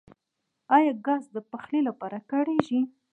آیا ګاز د پخلي لپاره کاریږي؟